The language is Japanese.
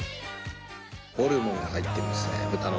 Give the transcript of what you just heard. ホルモンが入ってますね豚の。